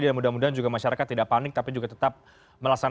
dan mudah mudahan juga masyarakat tidak panik tapi juga tetap berhati hati